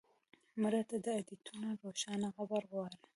مړه ته د آیتونو روښانه قبر غواړو